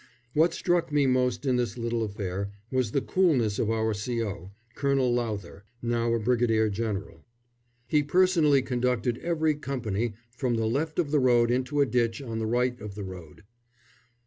What struck me most in this little affair was the coolness of our C.O., Colonel Lowther, now a brigadier general. He personally conducted every company from the left of the road into a ditch on the right of the road.